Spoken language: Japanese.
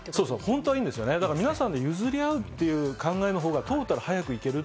本当はいいんです、皆さんで譲り合うという考えの方がトータル早く行ける。